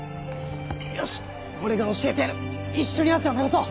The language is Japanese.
よし俺が教えてやる一緒に汗を流そう。